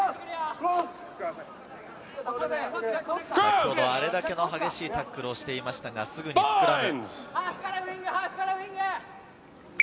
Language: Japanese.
先ほど、あれだけの激しいタックルをしていましたが、すぐにスクラム。